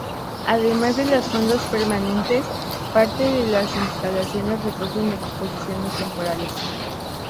Además de los fondos permanentes, parte de las instalaciones recogen exposiciones temporales.